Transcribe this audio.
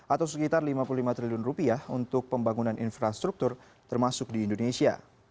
atau sekitar lima puluh lima triliun rupiah untuk pembangunan infrastruktur termasuk di indonesia